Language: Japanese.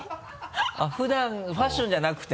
普段ファッションじゃなくて？